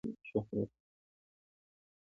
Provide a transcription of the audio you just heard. افغانستان د منی له امله شهرت لري.